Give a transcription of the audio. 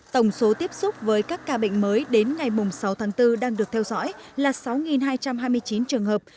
tổng số tiếp xúc với các ca bệnh mới đến ngày sáu tháng bốn đang được theo dõi là sáu hai trăm hai mươi chín trường hợp